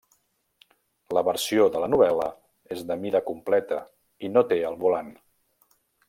La versió de la novel·la és de mida completa i no té el volant.